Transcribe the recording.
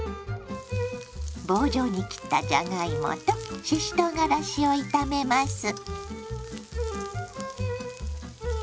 棒状に切ったじゃがいもとししとうがらしを炒めます。